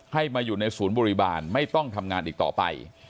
ให้มาอยู่ในศูนย์บริบาลไม่ต้องทำงานอีกต่อไป